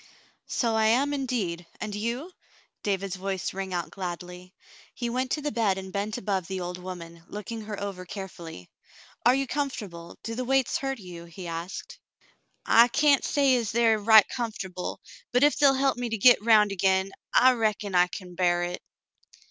"So I am, indeed. x\ndyou.'^" David's voice rang out gladly. He went to the bed and bent above the old woman, looking her over carefully. "Are you comfort able ? Do the weights hurt you ?" he asked. "I cyan't say as they air right comfortable, but ef they'll help me to git 'round agin, I reckon I can bar hit."